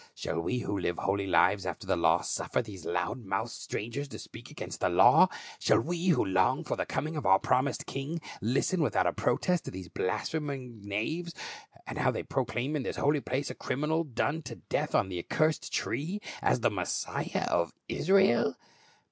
Shall we who live holy lives after the law, suffer these loud mouthed strangers to speak against the law? Shall we who long for the coming of our promised King, listen without a protest to these blasphemous knaves as they proclaim in this holy place a criminal done to death on the accursed tree, as the Messiah of Israel